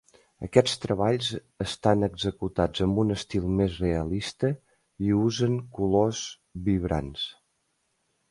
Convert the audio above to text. Aquests treballs estan executats amb un estil més realista i usen colors vibrants.